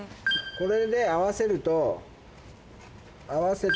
これで合わせると。